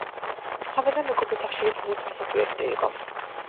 ჰავანა მეკობრეთა ხშირი თავდასხმის ობიექტი იყო.